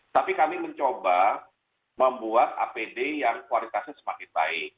tapi kami mencoba membuat apd yang kualitasnya semakin baik